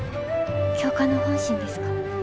教官の本心ですか？